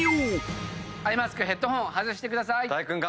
アイマスクヘッドホン外してください。